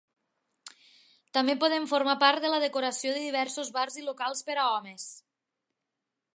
També poden formar part de la decoració de diversos bars i locals per a homes.